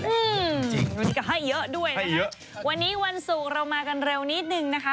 จริงวันนี้ก็ให้เยอะด้วยนะคะให้เยอะวันนี้วันสุกเรามากันเร็วนิดหนึ่งนะคะ